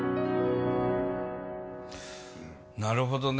なるほどね。